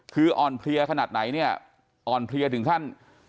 คืออ่อนเพลียขนาดไหนเนี่ยอ่อนเพลียถึงขั้น